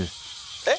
「えっ？」。